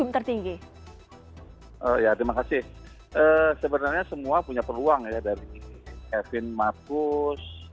tertinggi ya terima kasih sebenarnya semua punya peluang ya dari kevin marcus